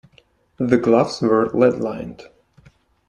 The gloves were lead-lined.